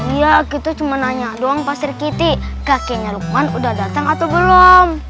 iya gitu cuma nanya doang pak sirkiti kakeknya lukman udah dateng atau belum